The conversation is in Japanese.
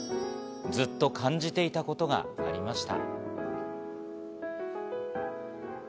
ずっと感じていたことがありました。